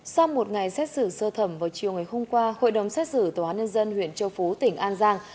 sau một ngày xét xử sơ thẩm vào chiều ngày hôm qua hội đồng xét xử tòa án nhân dân huyện châu phú tỉnh an giang